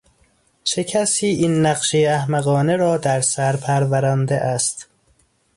چه کسی این نقشهی احمقانه را در سر پرورانده است؟